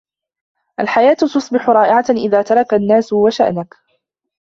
الحياة تصبح رائعة إذا تركك الناس و شأنك